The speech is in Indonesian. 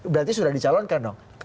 berarti sudah dicalonkan